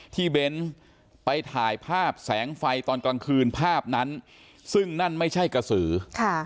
เบ้นไปถ่ายภาพแสงไฟตอนกลางคืนภาพนั้นซึ่งนั่นไม่ใช่กระสือค่ะ